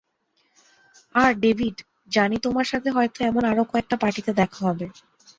আর, David, জানি তোমার সাথে হয়তো এমন আরো কয়েকটা পার্টিতে দেখা হবে।